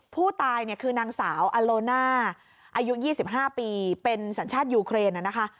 ผู้ตายเนี่ยคือนางสาวอโลน่าอายุ๒๕ปีเป็นสัญชาติยูเครนนะคะ